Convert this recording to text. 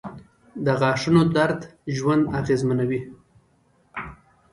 • د غاښونو درد ژوند اغېزمنوي.